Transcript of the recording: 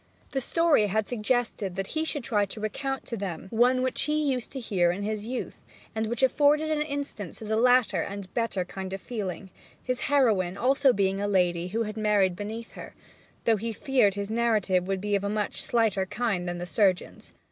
The story had suggested that he should try to recount to them one which he had used to hear in his youth, and which afforded an instance of the latter and better kind of feeling, his heroine being also a lady who had married beneath her, though he feared his narrative would be of a much slighter kind than the surgeon's.